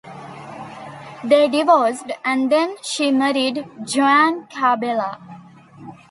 They divorced and then she married Joan Corbella.